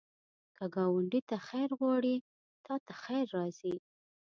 که ګاونډي ته خیر غواړې، تا ته خیر راځي